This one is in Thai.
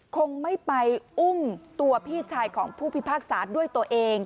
คงไม่ไปอุ้มตัวพี่ชายของผู้พิพากษาด้วยตัวเอง